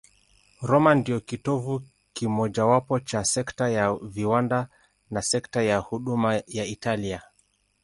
Roma ndiyo kitovu kimojawapo cha sekta ya viwanda na sekta ya huduma ya Italia.